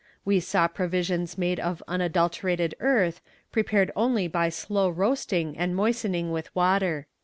We saw provisions made of unadulterated earth, prepared only by slow roasting and moistening with water."